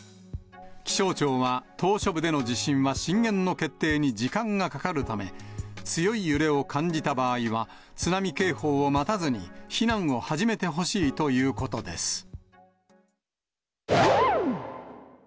気象庁は、島しょ部での地震は震源の決定に時間がかかるため、強い揺れを感じた場合は、津波警報を待たずに避難を始めてほしいということです。